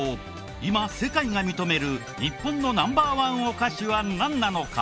今世界が認める日本のＮｏ．１お菓子はなんなのか？